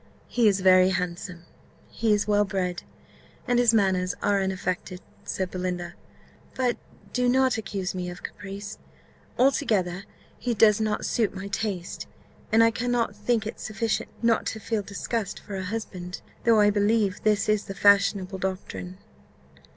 "He is very handsome, he is well bred, and his manners are unaffected," said Belinda; "but do not accuse me of caprice altogether he does not suit my taste; and I cannot think it sufficient not to feel disgust for a husband though I believe this is the fashionable doctrine."